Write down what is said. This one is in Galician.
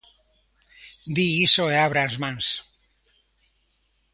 Di iso e abre as mans.